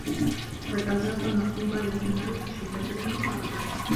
وَالْأَرْزَاقُ الْمَكْتُوبَةُ لَا تُنَالُ بِالشِّدَّةِ وَالْمُطَالَبَةِ